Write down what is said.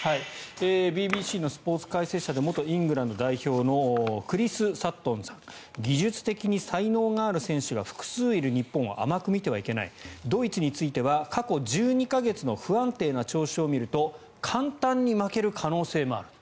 ＢＢＣのスポーツ解説者で元イングランド代表のクリス・サットンさんは技術的に才能ある選手が複数いる日本を甘く見てはいけないドイツについては過去１２か月の不安定な調子を見ると簡単に負ける可能性もあると。